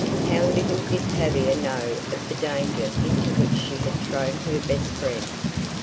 How little did Tavia know of the danger into which she had thrown her best friend!